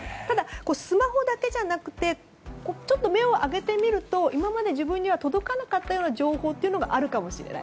スマホだけじゃなくてちょっと目を上げてみると今まで自分には届かなかった情報というのがあるかもしれない。